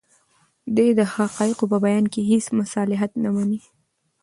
دی د حقایقو په بیان کې هیڅ مصلحت نه مني.